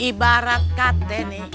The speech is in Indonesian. ya ibarat kate nih